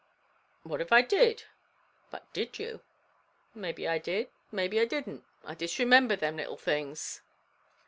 "What av I did?" "But did you?" "Maybe I did maybe I didn't; I disremember thim little things."